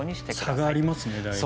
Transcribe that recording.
差がありますね。